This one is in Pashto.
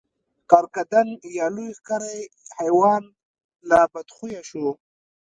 کرکدن یا لوی ښکری حیوان لا بدخویه شو.